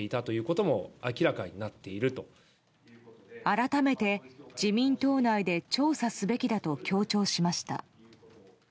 改めて、自民党内で調査すべきだと強調しました。